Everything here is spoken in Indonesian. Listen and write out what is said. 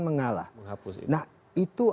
mengalah nah itu